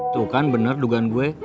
tuh kan benar dugaan gue